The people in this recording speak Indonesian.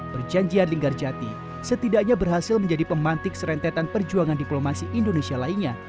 perjanjian linggarjati setidaknya berhasil menjadi pemantik serentetan perjuangan diplomasi indonesia lainnya